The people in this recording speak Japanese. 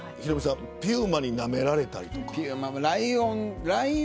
ピューマに、なめられたりとか。